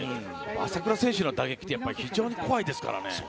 朝倉選手の打撃って非常に怖いですからね。